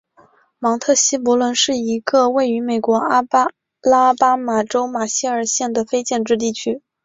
芒特希伯伦是一个位于美国阿拉巴马州马歇尔县的非建制地区。